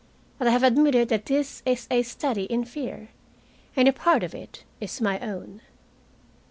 But I have admitted that this is a study in fear, and a part of it is my own.